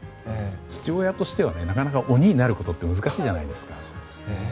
父親としてはなかなか、鬼になることって難しいじゃないですか。